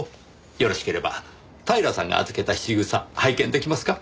よろしければ平さんが預けた質草拝見出来ますか？